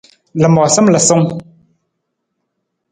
Lamoosam lasung.